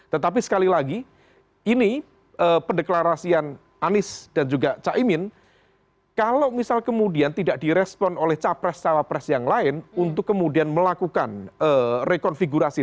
tetapi sekali lagi ini pendeklarasian anies dan juga caimin kalau misal kemudian tidak direspon oleh capres cawapres yang lain untuk kemudian melakukan rekonfigurasi